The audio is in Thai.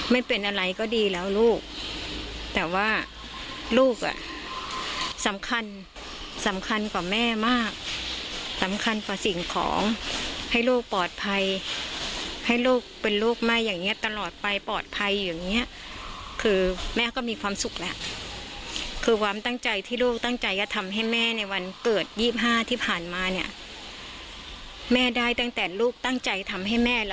ไม่เป็นอะไรก็ดีแล้วลูกแต่ว่าลูกอ่ะสำคัญสำคัญกว่าแม่มากสำคัญกว่าสิ่งของให้ลูกปลอดภัยให้ลูกเป็นลูกแม่อย่างเงี้ตลอดไปปลอดภัยอยู่อย่างเงี้ยคือแม่ก็มีความสุขแล้วคือความตั้งใจที่ลูกตั้งใจจะทำให้แม่ในวันเกิด๒๕ที่ผ่านมาเนี่ยแม่ได้ตั้งแต่ลูกตั้งใจทำให้แม่แล้ว